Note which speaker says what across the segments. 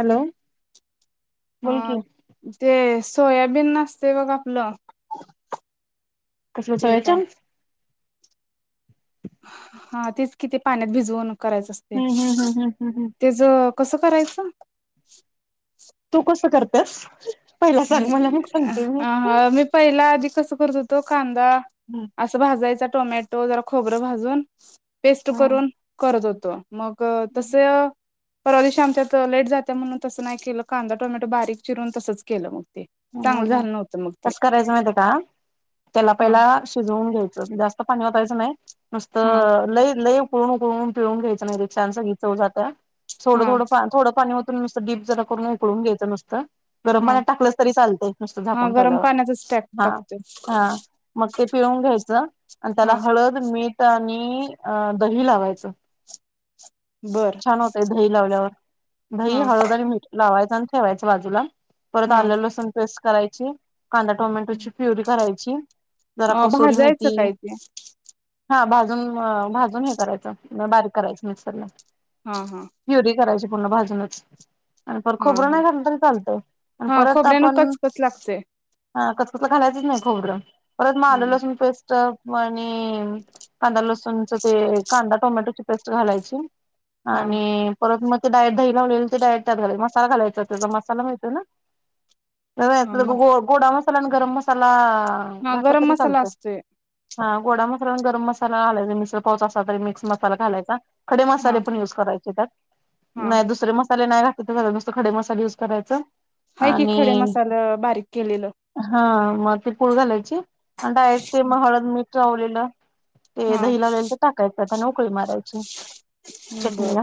Speaker 1: Hello बोल की
Speaker 2: ह तेस सोयाबीन असत्य बघ आपलं.
Speaker 1: कसल
Speaker 2: ते
Speaker 1: चोया
Speaker 2: काय
Speaker 1: चंक्स
Speaker 2: हा तेच किती, पाण्यात भिजऊन. करायच असते,
Speaker 1: हम्म हम्म हम्म हम्म हम्म हम्म
Speaker 2: ते ज कस करायचं [inaudible]
Speaker 1: तू कसं करतेस? पहिला सांग मला मग सांगते मी
Speaker 2: हा हा मी पहिला आधी कस करत हुतो कान का?
Speaker 1: हम्म
Speaker 2: असं भाजयचा टोमॅटो. तो जरा खोबरं भाजून. पेस्ट
Speaker 1: हम्म
Speaker 2: करून करत होत त मग तसय. परवा दिवशी आमच्यात लेट झालत, म्हणून तसं नाही केलं कांदा टोमॅटो बारीक चिरून तसंच. केलं म
Speaker 1: ह ह कस करायचं माहित का, त्याला
Speaker 2: हा
Speaker 1: पहिला शिजवून घ्यायचं जास्त. पाणी ओतायचं नाही
Speaker 2: हा
Speaker 1: नुसतं लई लई उकळून उकळून पिळून घ्यायच नाही तर छान सगळी चव जाते ह. थोड
Speaker 2: हा
Speaker 1: थोड पान थोड पाणी ओत. नुसता गीर जरा करून उकळून घ्यायचा नुसता. गरम
Speaker 2: हा
Speaker 1: पाण्यात टाकलं. तरी चालतंय नुसता
Speaker 2: हा
Speaker 1: झाकून
Speaker 2: गरम
Speaker 1: ठेवल्यावर,
Speaker 2: पाण्यातच टाक
Speaker 1: हा
Speaker 2: टाकतोय
Speaker 1: हा मग ते पिळून घ्यायचं आणि त्याला
Speaker 2: हा
Speaker 1: हळद मीठ आ. आणि अ दही, लावायचं.
Speaker 2: बर
Speaker 1: छान होतय दही लावल्यावर, दही,
Speaker 2: हा
Speaker 1: हळद, आणि मीठ लावाय. छान ठेवायचं बाजूला. परत
Speaker 2: हा
Speaker 1: आलं लसूण पेस्ट कराय ची. कांदा, टोमॅटोची, प्युरी कराय ची.
Speaker 2: अ भाजायचं काय ते?
Speaker 1: अ भाजून हे करायचं, बारीक करायच मिक्सर ला
Speaker 2: हं हं!
Speaker 1: पूर्ण भाजूनच. अ पर खोबरं नाही
Speaker 2: हा
Speaker 1: घातलं तरी चालतंय, आण
Speaker 2: हा
Speaker 1: परत
Speaker 2: खोबऱ्यानं
Speaker 1: आपण.
Speaker 2: कचकच लागते
Speaker 1: हा कच, कच, ला घालायचच नाही खोबरं. परत म आल,
Speaker 2: ह
Speaker 1: लसूण पेस. आणि कांदा, लसूण च ते कांदा टोमॅटोची पेस्ट घालायची.
Speaker 2: हा
Speaker 1: आणि परत मग. ते डायरट दही, लावले ते डायरेट, त्यात घालायचे मसाला घालायचा त त्याचा मसाला मिळतो ना.
Speaker 2: हा
Speaker 1: आपल
Speaker 2: मग
Speaker 1: गो गोडा मस गरम, गरम मसाला. हा घातलं
Speaker 2: गरम
Speaker 1: तरी
Speaker 2: मसाला
Speaker 1: चालत
Speaker 2: असतोय
Speaker 1: हा गोडा मस गरम मसाला घालायचा, मिश्र पावूच असा तरी मिक्स मसाला घालायचा. खडे
Speaker 2: हा
Speaker 1: मसाले. ते पण यूज करायचे का,
Speaker 2: हा
Speaker 1: नाय दुसरे मं. मले नाही [unintelligible] नूसत खडे मसाले युज करायचं.
Speaker 2: हाय की खडे मसाल, बारीक केलेलं.
Speaker 1: हा मग ती पूळ घालायची. न [unintelligible] ते मग हळद मीठ लावलेली. [inaudible] ते
Speaker 2: हा
Speaker 1: दहीलां नंतर टाकायचं. अन ऊकळी मारयची.
Speaker 2: हूं बर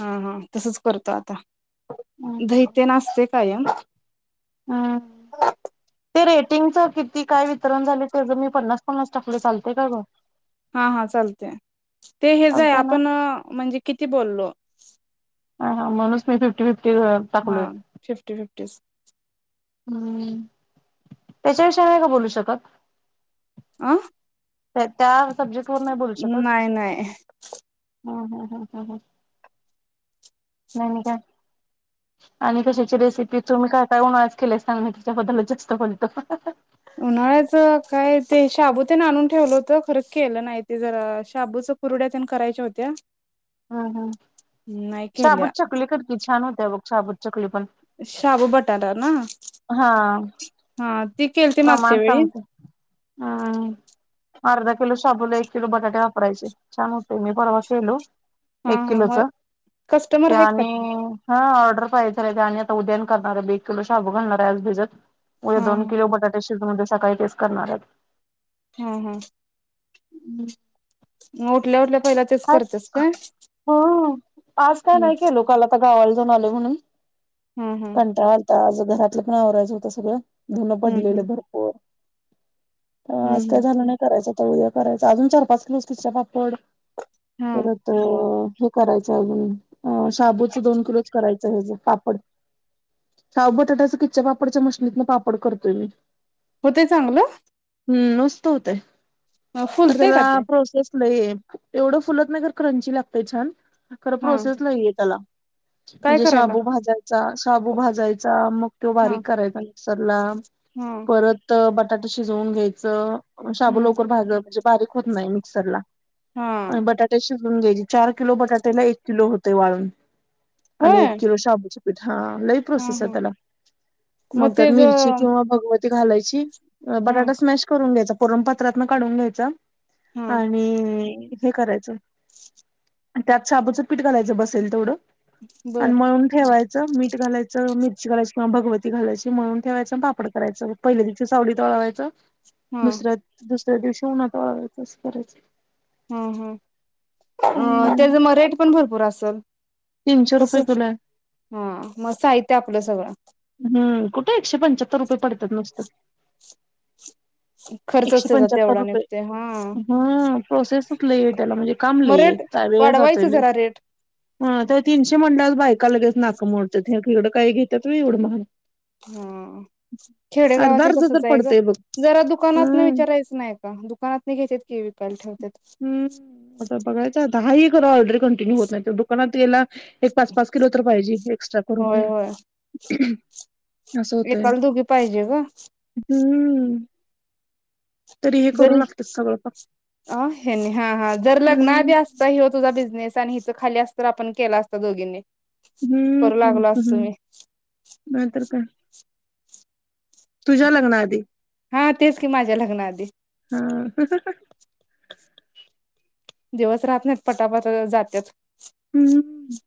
Speaker 2: हं हं तसच करता आता. धही तेन असंते. काय.
Speaker 1: हम्म ते रेटिंगचं किती काय वितरण झाले त्याच मी पन्नास पन्नास टाले चालते काय ग
Speaker 2: हा हा चालतेय. ते हे जाय
Speaker 1: चालतय ना
Speaker 2: आपण म्हणजे किती बोललो.
Speaker 1: हा हा मणूस नाही तुट
Speaker 2: हा फिफ्टी फिफ्टी
Speaker 1: हम्म त्याच्याविषयी आम्ही का बोलू शकत.
Speaker 2: आं
Speaker 1: त्याता
Speaker 2: नाही नाही
Speaker 1: हम् ह ह ह नाही नाही काय आणि कशाची रेसिपी तुम्ही काय काय उनळच केले असता म त्याच्याबद्दलच जास्त बोलतो.
Speaker 2: उन्हाळ्याच काय ते शाबू त्याने आणून ठेवलं होत खरं केलं नाही ते जरा शाबूच कुरड्या त्यान करायच्या होत्या.
Speaker 1: हम्म हम्
Speaker 2: नाही
Speaker 1: चहा
Speaker 2: केल्या
Speaker 1: बुच्छा को लकर क छान होती. साबू चकली प
Speaker 2: शब बटाला ना
Speaker 1: हा
Speaker 2: हा ती केलती मागच्या
Speaker 1: प्रमाण
Speaker 2: वेळी
Speaker 1: चांगत हम्म अर्धा किलो शाबूला एक किलो बटाटे वापरायचे छान होते मी परवा केलो.
Speaker 2: हा
Speaker 1: एक
Speaker 2: हा
Speaker 1: किलोच
Speaker 2: मग कस्टमर आहेत का
Speaker 1: आणि हा पा आणि आता उद्यान करणार आहे ब एक किलो शाब घालणार आहे आज भिजत. मे
Speaker 2: हा
Speaker 1: दोन कलो बटाट ष म सकाळी तेच करणार आहेत.
Speaker 2: हम् हम
Speaker 1: हम्म
Speaker 2: उठल्या उठलं.
Speaker 1: ह आज काय नाही के लोकला भराव त नाले होणे.
Speaker 2: हम्म हम्म
Speaker 1: आज घरातलं पण आवरायचं होत सगळं दधुन
Speaker 2: हम्म हम्म
Speaker 1: पडलेलं भरपूर
Speaker 2: हम्म
Speaker 1: असज काय
Speaker 2: हम्म
Speaker 1: झालं नाही करायचं. उद्या करायचा अजून चार पाच किलोस किचरा पापड
Speaker 2: हा
Speaker 1: परत हे करायचं अजून शाबूचं दोन किलोच करायच. पापड साव बटाट्याच किच्च्या पापडच्या मशनीतलं पापड करतोय मी
Speaker 2: होतय चांगलं.
Speaker 1: हम् नसत होताय. खर
Speaker 2: फुलतय
Speaker 1: तर
Speaker 2: का ते
Speaker 1: प्रोसेस एवढं फुलत नाही तर क्रंची लागते छान. खरं
Speaker 2: हा
Speaker 1: प्रोसेस लई आहे त्याला.
Speaker 2: काय
Speaker 1: म्हणजे
Speaker 2: करायला
Speaker 1: शाबु भाजायचा साबू भाजायचा मग [inaudible] तो
Speaker 2: हा
Speaker 1: बारीक करायचा मिक्सरला
Speaker 2: हा
Speaker 1: परत बट तात शिजवून घ्यायचं. शाबू
Speaker 2: हम्म
Speaker 1: लवकर भा [inaudible] म्हणजे बारीक होत नाइ मिक्सर ला. आणि
Speaker 2: हा
Speaker 1: बटाटे शिज घ्यायची चार किलो बटाटेला एक किलो होतय वाळून. आणि
Speaker 2: होय
Speaker 1: एक किलो शाबूच्या. हा लई
Speaker 2: हा
Speaker 1: प्रोसेसय
Speaker 2: हा
Speaker 1: त्याला मग त्या
Speaker 2: तेज
Speaker 1: मिरची
Speaker 2: हा
Speaker 1: किंवा भगव [inaudible] ती घालायची. थोडा बटाटा स्मॅश करून घ्यायचा. पुरण पात्रातन काढून घ्यायच.
Speaker 2: हा
Speaker 1: आणि [inaudible] हे करायचं त्यात शाबूचं पीठ घालायचं बसेल तेवढं.
Speaker 2: बर
Speaker 1: आन मळून ठेवायचं मी घालायचं मिरची घालायची किंवा भगवती घालायची म्हणून ठेवायचं पापड करायचं पहिले दिसचं सावलित वा ळवायचं.
Speaker 2: हा
Speaker 1: दुसरा दुस त्या दिवशी उनात वाळवायचं अस करायच.
Speaker 2: हम् हम् अ त्याच मग रेट पण भरपूर असेल
Speaker 1: तीनशे
Speaker 2: कस
Speaker 1: रुपये किलो आहे
Speaker 2: हा मग साहित्य आपलं सगळं.
Speaker 1: हम्म कुठे एकशे पंच्याहत्तर रुपये पडतात नुसतं
Speaker 2: खर्चच
Speaker 1: एकशे
Speaker 2: त्याचा
Speaker 1: पंचाहत्तर
Speaker 2: तेवढा
Speaker 1: रुपये
Speaker 2: निघते हा
Speaker 1: हा प्रोसेस. [inaudible] ला म्हणजे काम
Speaker 2: मग
Speaker 1: लयेय
Speaker 2: रेट
Speaker 1: त्या वेळ जातोय
Speaker 2: वाढवायचं
Speaker 1: लय
Speaker 2: जरा रेट
Speaker 1: ह त्या तीनशे म्हनल बायका लगेच नाक मोडतेत इकड काय घेतेत होय एवढं मो [inaudible]
Speaker 2: हा खेडे
Speaker 1: अर्ध
Speaker 2: गावात नि
Speaker 1: अर्ध तर
Speaker 2: तसचय ग
Speaker 1: पडतंय बघ
Speaker 2: जरा दुकानात न
Speaker 1: हम्म
Speaker 2: विचारायचं नाही का दुकानात नाही घेतेत की विकायला ठेवतेत.
Speaker 1: हम् आता बघायच दहा [inaudible] ऑर्डर कन्टिन्यू होत नाही तर दुकानात तेला एक पाच - पाच किलो तर पाहिजे एक्स्ट्रा करून द्यायला. [inaudible] असं होतंय
Speaker 2: एकाल दोघी पाहिजे ग.
Speaker 1: हम्म. तरी हे करू
Speaker 2: जरी
Speaker 1: लागतेत सगळं पक्
Speaker 2: अ हेनी. हा. हा. जर लग्नाआधी असता ह्यो तुझा बिझनेस च खाली असत आपण केलं असतं दोघींनी. करू
Speaker 1: हम्म.
Speaker 2: लागलो असतो
Speaker 1: हम्म्.
Speaker 2: मी
Speaker 1: नाय तर काय. तुझ्या लग्नाआधी
Speaker 2: हा. तेच की माझ्या लग्नाआधी
Speaker 1: हा.
Speaker 2: दिवस राहत नाहीत. पटापट जात्यात.
Speaker 1: हम्म.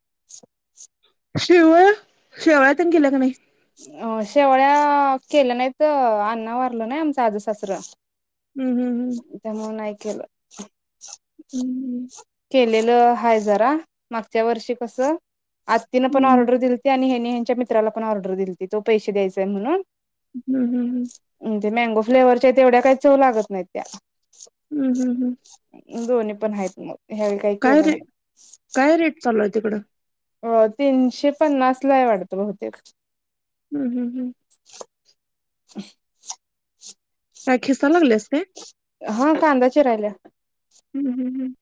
Speaker 1: शिवळ शेवाळ्या तेन केल्या काय नाही?
Speaker 2: अ शेवळ्या केल्या नाहीत. अण्णा वारलं नाही आमचं आज सासर.
Speaker 1: हम्म हम्म
Speaker 2: त्यामुळ ना केला
Speaker 1: हम्म.
Speaker 2: लेल हाय जरा मागच्या वर्षी कस आज तिन पण
Speaker 1: हम्म
Speaker 2: ऑर्डर दिती आणि हेंच्या मित्रला पण दिलती तो पैसे द्यायचाय म्हणून
Speaker 1: हम्म. हम्. हम्म.
Speaker 2: ते मॅंगो फ्लेवरच्या तेवढ्या काही चव लागत नाहीत त्या.
Speaker 1: हम्म. हम्म. हम्म.
Speaker 2: दोनी पण आहेत मग. ह्यावेळी काही
Speaker 1: काय
Speaker 2: केलं
Speaker 1: रे,
Speaker 2: नाही.
Speaker 1: काय रेट चालू हाईत? तिकडं
Speaker 2: अ तीनशे पन्नास लाय वाटतं बहुतेक.
Speaker 1: हम्म. हम्. हम्म.
Speaker 2: [inaudible]
Speaker 1: काय खिसा लागल्यास काय?
Speaker 2: हा. कांदा चिरायल्या.
Speaker 1: हम्म. हम्. हम्.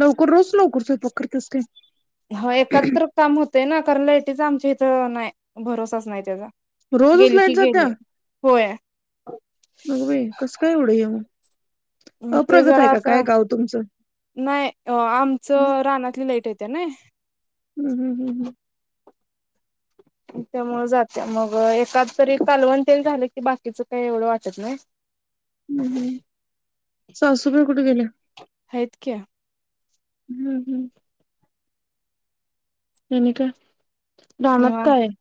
Speaker 1: लवकर रोज लवकर स्वयपाक करत्यास काय?
Speaker 2: होय एकाद तर काम होत ते ना खर लाइटीचा आमच्या इथ नाही. भरोसाच नाही त्याचा.
Speaker 1: रोजच
Speaker 2: गेली की
Speaker 1: लाईट
Speaker 2: गेले. होय.
Speaker 1: बग भई! कसं काय एढं ये म,
Speaker 2: ते जरा आता,
Speaker 1: तुमचं
Speaker 2: [inaudible] नाही अ आमचं रानातली लाईट येत त्या नय [inaudible]
Speaker 1: [inaudible] हम्म हम्म हम् हम्म, [inaudible]
Speaker 2: त्यामुळ, जाते मग एद तरी कालवण तेल झालं की बाकीच काही एवढं वाटत नाही. [inaudible]
Speaker 1: हम्म हम् [inaudible] सासूबाई कुठ गेल्या. [inaudible]
Speaker 2: हाइत क्या, [inaudible]
Speaker 1: हम्म हम्म, [inaudible] [inaudible] अणि का, [inaudible] [inaudible] रानात काय, [inaudible]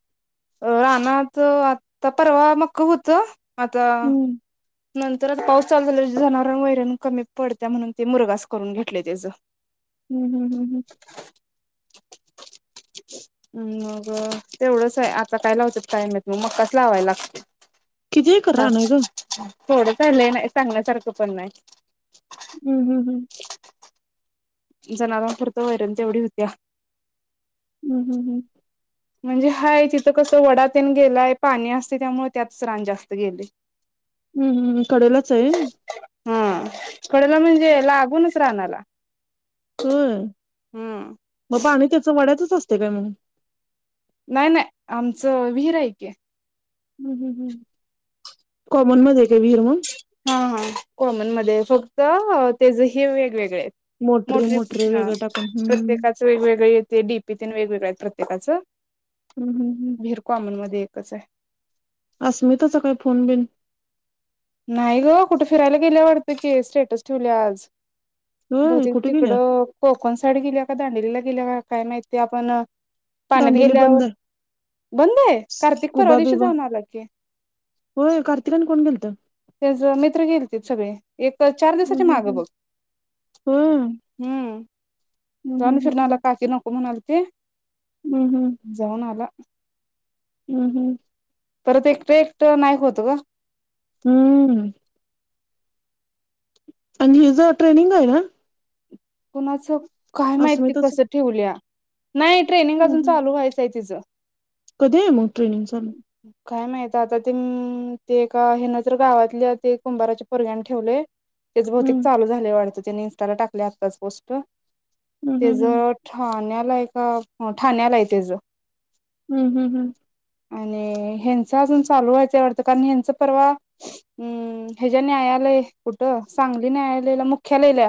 Speaker 2: अ रानात आत्ता परवा मक्कं हुतं आता
Speaker 1: हम्म
Speaker 2: [inaudible] नंतरच पाऊस चालू झाल्यावर जनावरांना वैरण कमी पडत्या म्हणून ते मुरगास करून घेतलंय त्याचं
Speaker 1: हम्म हम्म हम्म हम्म
Speaker 2: हम् मग तेवढंच आहे आता काय लावतेत काय माहिती मग मक्काच लावाय लागते
Speaker 1: किती एकर आहे गं
Speaker 2: थोडं झालय पण सांगण्यासारखं पण नाही
Speaker 1: हम्म हम्म हम्म
Speaker 2: जनावरा पुरती वैरण तेवढी होत्या
Speaker 1: हम्म हम् हम्म
Speaker 2: म्हणजे हाय तिथं कसं वडा तेन गेलाय पाणी असते त्यामुळे त्यातच रान जास्त गेलंय
Speaker 1: हम्म हम् कडेलाच आहे
Speaker 2: हा कडेला म्हणजे लागूनच रानाला
Speaker 1: हम
Speaker 2: हम्म
Speaker 1: म पाणी त्याचं वड्यातच असतय काय मग
Speaker 2: नाय नाय आमचं विहीर हाय की
Speaker 1: कॉमन मध्ये काय विहीर मग
Speaker 2: हा हा कॉमन मध्ये फक्त तेचं हे वेगवेगळेत मोटरी हा
Speaker 1: वेगळं टाकून हम्म
Speaker 2: प्रत्येकाचं वेगवेगळे येते डीपी तेन वेगवेगळे हायत प्रत एकाचं
Speaker 1: हम्म हम्म हम्म
Speaker 2: विहिर कॉमनमध्ये कसाय
Speaker 1: अस्मिताचा काय फोन बिन
Speaker 2: नाही गं कुठे फिरायला गेल्या वाटतं की, स्टेटस ठेवल्या आज.
Speaker 1: होय
Speaker 2: बहुतेक
Speaker 1: कुठे गेल्या
Speaker 2: तिकडं, कोकण साईड गील्या का दांडेलीला गेल्याका काय माहिती, आपण पाण्यात
Speaker 1: दांडेली
Speaker 2: गेल्यावर
Speaker 1: बंद आहे
Speaker 2: बंद आहे कार्तिक परवा
Speaker 1: कुबा
Speaker 2: दिवशी
Speaker 1: बिबा
Speaker 2: जाऊन आला की.
Speaker 1: होय कार्तिकान कोण गेलत
Speaker 2: त्यांच मित्र गेलतीत सगळे. एक तर चार दिवसाची मागं
Speaker 1: होय
Speaker 2: बघ हम्म
Speaker 1: हम्म
Speaker 2: जाऊन फिरून आला
Speaker 1: हम्म
Speaker 2: काकी नको म्हणाल ते जाऊन आला.
Speaker 1: हम्म हम्म.
Speaker 2: परत एकटं एकटं नाई होतं ग.
Speaker 1: हम्म. आणि हिज ट्रेनिंग आहे ना.
Speaker 2: कोणाचं? काय माहिती
Speaker 1: अस्मिताच
Speaker 2: कसं ठेवलीया. नाही ट्रेनिंग अजून चालू व्हायचंय तिच.
Speaker 1: कधी ये मग ट्रेनिंग चालू?
Speaker 2: काय माहित आता ते ते ए का हे न तर गावातल्या ते कुंभाराच्या पोरग्यान ठेवलये तेच बहुतेक
Speaker 1: हम्म
Speaker 2: चालू झालय वाटत. त्याने इस्टाला टाकलय आताच पोस्ट
Speaker 1: हम्म
Speaker 2: तेज
Speaker 1: हम्म
Speaker 2: ठाण्यात का ठाण्याला ये तेझ.
Speaker 1: हम्म हम्म हम्म.
Speaker 2: आणि ह्यांच अजून चालू व्हायचं आवडतं कारण ह्यांचा परवा हे जे न्यायालय कुठं सांगली न्यायालयाला मुख्यलयला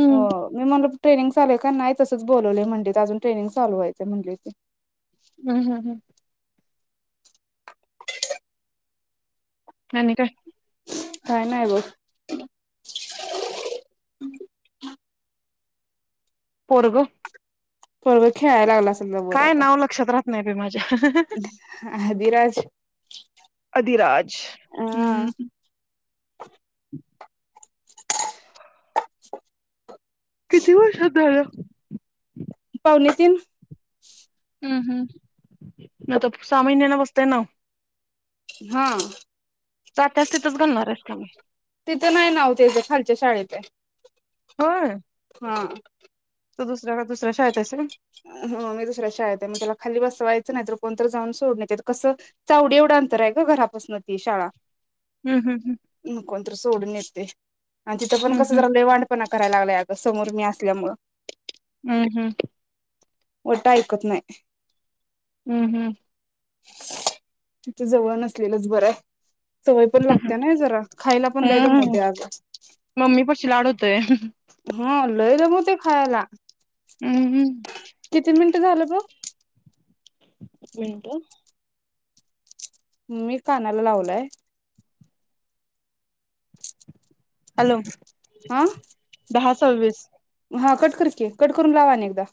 Speaker 1: हम्म
Speaker 2: हो मी म्हणलं ट्रेनिंग चालूय का नाही तसंच बोलावलेय म्हणलीत अजून ट्रेनिंग चालू व्हायच म्हणलीत.
Speaker 1: हम्म हम्म हम्म. आणि काय?
Speaker 2: काय नाय बग. [unintelligible]
Speaker 1: पोरग.
Speaker 2: पोरग खेळाय लागलास
Speaker 1: काय नाव लक्षात राहत नाही बाई माझ्या
Speaker 2: आदिराज
Speaker 1: अदीराज
Speaker 2: अ
Speaker 1: हम्म. [unintelligible] किती वर्षाचा झाला?
Speaker 2: पावणे तीन.
Speaker 1: हम्म हम्म सहा महिन्यांन बसतय नाव.
Speaker 2: हा.
Speaker 1: जात्यास तथच घालणार ये का?
Speaker 2: तिथं नाही नाव त्याचं खालच्या शाळेत ये हा.
Speaker 1: त दुसऱ्या का दुसऱ्या शाळेत आहे से. [unintelligible]
Speaker 2: ह मी दुसऱ्या शाळेत आहे मग त्याला खाली बसवायचं नाही तर कोणत जाऊन सोडण्यात य कसं चावडी एवढं अंतर आहे ग घरापासून ती शाळा.
Speaker 1: हम्म हम्म हम्.
Speaker 2: सोडूनच ते. आणि तिथं पण कस
Speaker 1: हम्म
Speaker 2: जरा निवांतपणा - - करायला लागलंय आता समोर मी असल्यामुळे.
Speaker 1: हम् हम्म.
Speaker 2: उलट ऐकत नाही.
Speaker 1: हम्म हम्म.
Speaker 2: तुमच्या जवळ नसलेलंच बरं. सवय पण लागते ना जरा, खायला पण लय दमवत
Speaker 1: हम्म
Speaker 2: अगं.
Speaker 1: मम्मी पशी लाड होतोय
Speaker 2: हा लय दमवत- ते खायाला-
Speaker 1: हम्म
Speaker 2: किती मिनिटं झालत?
Speaker 1: मिनटं?
Speaker 2: मी कानाला लावलाय-
Speaker 1: हॅलो.
Speaker 2: हा
Speaker 1: दहाच. सव्वीस-
Speaker 2: हा कट करकी, कट करून लाव आणि एकदा.